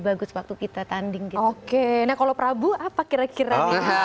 bagus waktu kita tanding gitu oke nah kalau prabu apa kira kira nih